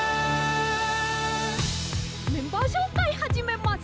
「メンバーしょうかいはじめます！